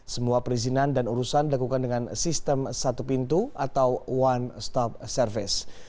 semua perizinan dan urusan dilakukan dengan sistem satu pintu atau one stop service